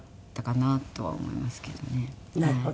なるほどね。